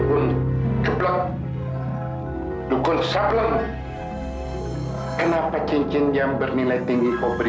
kali ini kau tidak akan berhasil